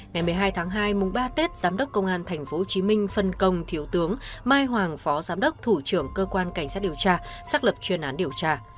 ngày một mươi hai tháng hai mùng ba tết giám đốc công an tp hồ chí minh phân công thiếu tướng mai hoàng phó giám đốc thủ trưởng cơ quan cảnh sát điều trà xác lập chuyên án điều trà